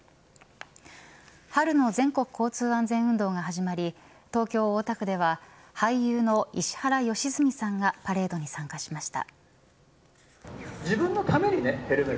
春の全国交通安全運動が始まり東京大田区では俳優の石原良純さんがパレードに参加しました。